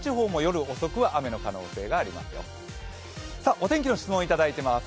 お天気の質問をいただいています。